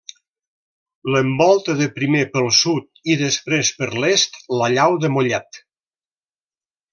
L'envolta de primer pel sud i després per l'est la Llau de Mollet.